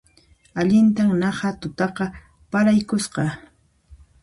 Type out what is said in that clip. Allintan naqha tutaqa paraykusqa